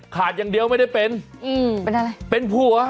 ขาดอย่างเดียวไม่ได้เป็นเป็นพัว